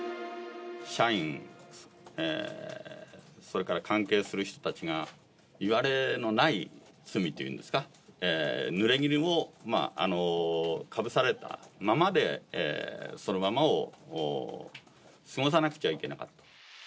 社員、それから関係する人たちが、いわれのない罪というんですか、ぬれぎぬをかぶされたままで、そのままを過ごさなくちゃいけなかった。